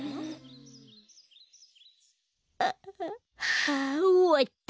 はあおわった。